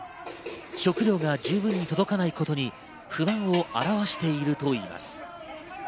食料が十分に届かないことに不満を表しているといいます。